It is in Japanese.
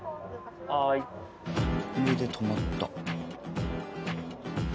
上で止まった。